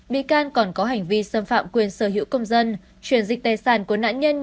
bị can còn có hành vi xâm phạm quyền sở hữu công dân